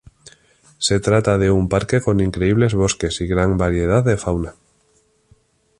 Se trata de un parque con increíbles bosques y gran variedad de fauna.